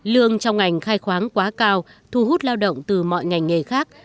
lương trong ngành khai khoáng quá cao thu hút lao động từ mọi ngành nghề khác